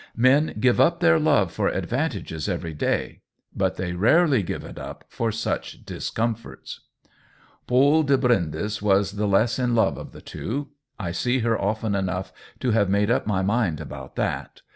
Men give up their love for advantages every day, but they rarely give it up for such discomforts. Paule de Brindes was the fess in love of the two; I see her often enough to have made up my mind about that.